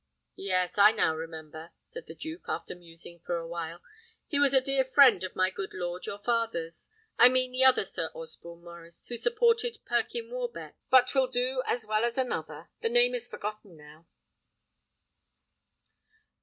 "Yes, I now remember," said the duke, after musing for a while. "He was a dear friend of my good lord your father's: I mean the other Sir Osborne Maurice, who supported Perkyn Warbeck. But 'twill do as well as another; the name is forgotten now."